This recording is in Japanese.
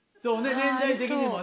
年代的にもね。